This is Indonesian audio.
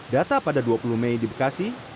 data pada dua puluh mei di bekasi